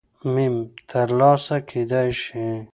م ترلاسه کېدلای شي